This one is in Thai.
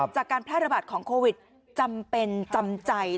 จากการแพร่ระบาดของโควิดจำเป็นจำใจ